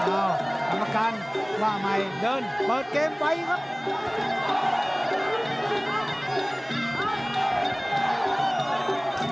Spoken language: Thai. อ้าวคำประกันว่าไม่เปิดเกมไว้ครับ